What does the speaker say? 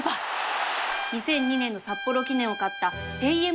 ２００２年の札幌記念を勝った